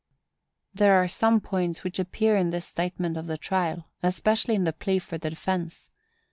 There are some points which appear in this statement of the trial, especially in the plea for the defence.